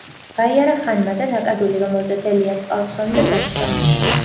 გაიარა ხანმა და ნაკადული, რომელზეც ელია წყალს სვამდა, დაშრა.